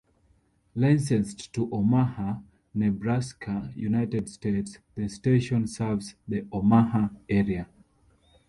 Licensed to Omaha, Nebraska, United States, the station serves the Omaha area.